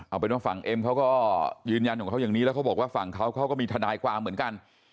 เอาเป็นว่าฝั่งเอ็มเขาก็ยืนยันของเขาอย่างนี้แล้วเขาบอกว่าฝั่งเขาเขาก็มีทนายความเหมือนกัน